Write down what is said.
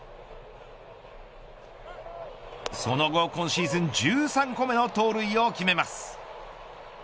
その後、今シーズン１３個目の盗塁を決めます。